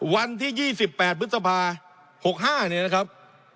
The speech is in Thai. วันที่๒๘พฤษภา๖๕เนี่ยนะครับ